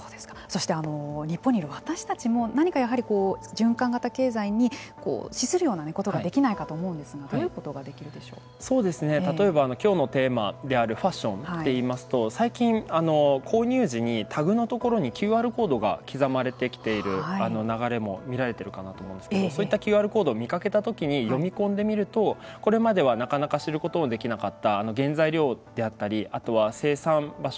そして、日本にいる私たちも何か循環型経済に資するようなことができないかと思うんですが例えば今日のテーマであるファッションで言いますと最近、購入時にタグのところにＱＲコードが刻まれてきている流れも見られているかなと思うんですけれどもそういったＱＲコードを見かけたときに読み込んでみるとこれまではなかなか知ることのできなかった原材料であったりあとは生産場所